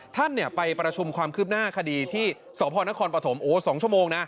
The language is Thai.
ท่านไปประชุมความคืบหน้าคดีที่สพนครปฐมโอ้๒ชั่วโมงนะ